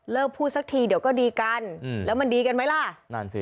พูดสักทีเดี๋ยวก็ดีกันอืมแล้วมันดีกันไหมล่ะนั่นสิ